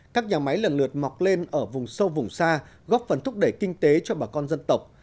các nhà máy lần lượt mọc lên ở vùng sâu vùng xa góp phần thúc đẩy kinh tế cho bà con dân tộc